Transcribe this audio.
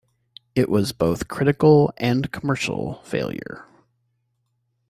It was both critical and commercial failure.